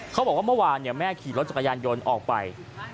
เขาบอกว่าเมื่อวานแม่ขี่รถจักรยานยนต์ออกไป